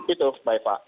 itu baik pak